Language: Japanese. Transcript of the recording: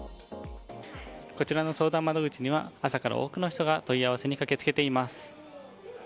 こちらの相談窓口には朝から多くの人が問い合わせに駆けつけています。